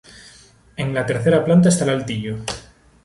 Y en la tercera planta está el altillo.